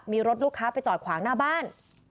มีรถลูกค้าไปจอดขวางหน้าบ้าน